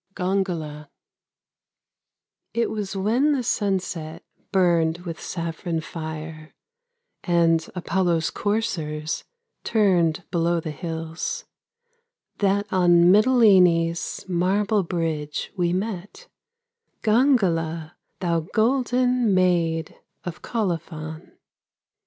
GONGYLA It was when the sunset Burned with saffron fire, And Apollo's coursers Turned below the hills, That on Mitylene's Marble bridge we met, Gongyla, thou golden Maid of Colophon.